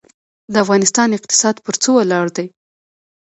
د افغانستان اقتصاد پر څه ولاړ دی؟